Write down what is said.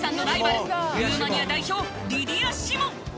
ルーマニア代表リディア・シモン。